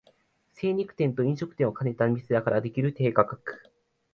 精肉店と飲食店を兼ねたお店だからできる低価格